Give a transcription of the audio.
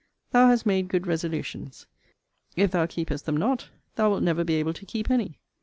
Thou hast made good resolutions. If thou keepest them not, thou wilt never be able to keep any.